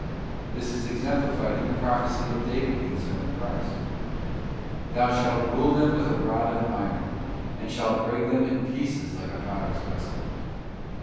This is exemplified in the prophecy of David concerning Christ : 'Thou shalt rule them with a rod of iron, and shalt break them in pieces like a potter's vessel.